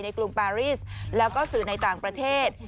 กรุงปาริสแล้วก็สื่อในต่างประเทศ